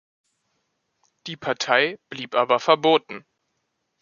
Die Partei blieb aber verboten.